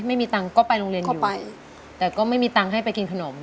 ไม่มีตังค์ก็ไปโรงเรียนก็ไปแต่ก็ไม่มีตังค์ให้ไปกินขนม